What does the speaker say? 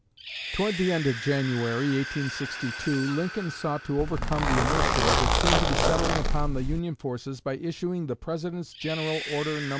Toward the end of January, 1862, Lincoln sought to overcome the inertia that seemed settling upon the Union forces by issuing the "President's General Order, No.